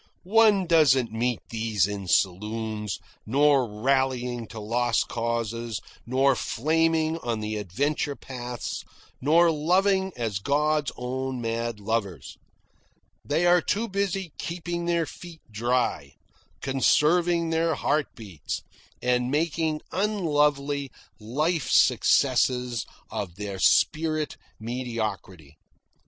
One doesn't meet these in saloons, nor rallying to lost causes, nor flaming on the adventure paths, nor loving as God's own mad lovers. They are too busy keeping their feet dry, conserving their heart beats, and making unlovely life successes of their spirit mediocrity.